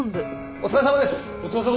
お疲れさまです！